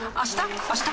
あした？